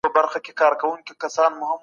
بل ګلاب نه معلومیږي